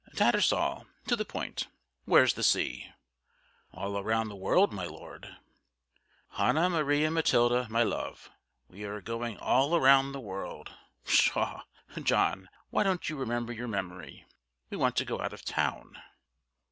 "Tattersall to the point; where's the sea?" "All round the world, my Lord." "Hannah Maria Matilda, my love, we are going all round the world. Pshaw! John, why don't you remember your memory? We want to go out of town."